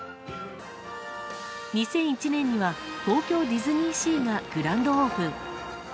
２００１年には東京ディズニーシーがグランドオープン。